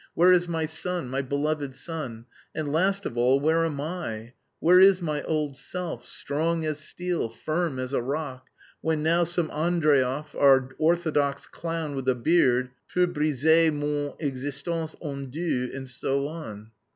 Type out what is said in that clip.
Where is my son, my beloved son? And last of all, where am I, where is my old self, strong as steel, firm as a rock, when now some Andreev, our orthodox clown with a beard, peut briser mon existence en deux" and so on.